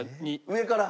上から。